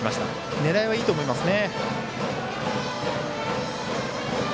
狙いはいいと思いますね。